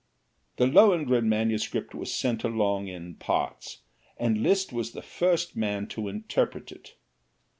The "Lohengrin" manuscript was sent along in parts, and Liszt was the first man to interpret it.